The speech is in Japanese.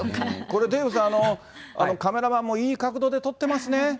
これ、デーブさん、カメラマンもいい角度で撮ってますね。